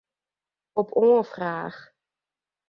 Op oanfraach.